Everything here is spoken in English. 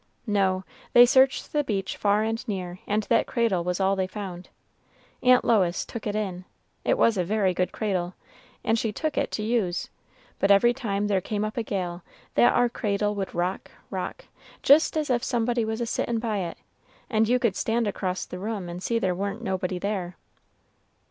"No; they searched the beach far and near, and that cradle was all they found. Aunt Lois took it in it was a very good cradle, and she took it to use, but every time there came up a gale, that ar cradle would rock, rock, jist as if somebody was a sittin' by it; and you could stand across the room and see there wa'n't nobody there."